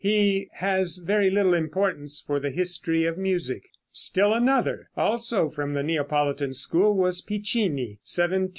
He has very little importance for the history of music. Still another, also from the Neapolitan school, was Piccini (1728 1800).